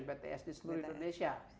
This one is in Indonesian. pt sd seluruh indonesia